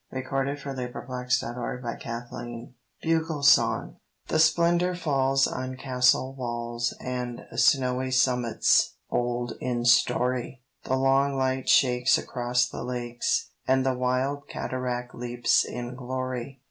Percy Bysshe Shelley [iso; RAINBOW GOLD BUGLE SONG THE splendor falls on castle walls And snowy summits old in story: The long light shakes across the lakes, And the wild cataract leaps in glory.